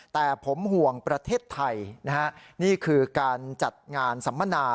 แต่ผมห่วงประเทศไทยนะฮะนี่คือการจัดงานสัมมนา